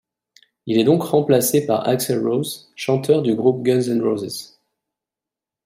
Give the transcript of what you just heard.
Il est donc remplacé par Axl Rose, chanteur du groupe Guns N' Roses.